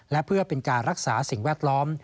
และเพื่อเป็นการรักษาสิ่งแวดล้อม